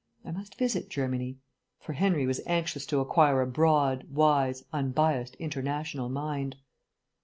I must visit Germany." For Henry was anxious to acquire a broad, wise, unbiased international mind.